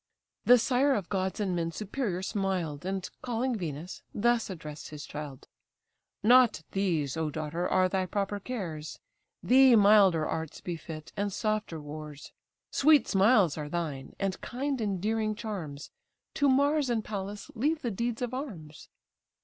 The sire of gods and men superior smiled, And, calling Venus, thus address'd his child: "Not these, O daughter are thy proper cares, Thee milder arts befit, and softer wars; Sweet smiles are thine, and kind endearing charms; To Mars and Pallas leave the deeds of arms."